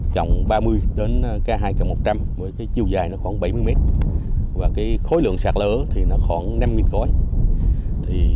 trong ba mươi đến ca hai cầm một trăm linh chiều dài khoảng bảy mươi mét khối lượng sạt lỡ khoảng năm cõi